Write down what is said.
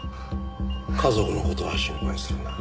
家族の事は心配するな。